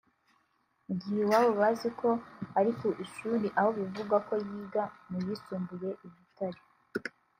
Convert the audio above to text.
mu gihe iwabo bazi ko ari ku ishuri aho bivugwa ko yiga mu yisumbuye i Butare